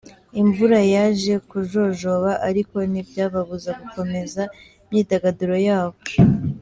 Imvura yaje kujojoba ariko ntibyababuza gukomeza imyidagaduro yabo.